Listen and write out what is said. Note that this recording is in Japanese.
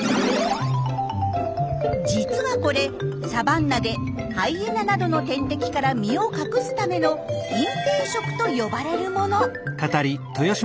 実はこれサバンナでハイエナなどの天敵から身を隠すための隠蔽色と呼ばれるもの。